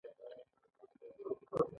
د رادار له لارې فاصله او سرعت معلومېږي.